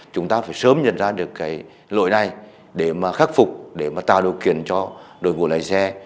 chúng ta phải sớm nhận ra được cái lỗi này để mà khắc phục để mà tạo điều kiện cho đội ngũ lái xe